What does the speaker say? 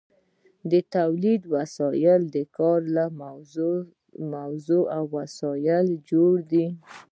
د تولید وسایل د کار له موضوع او وسایلو جوړ دي.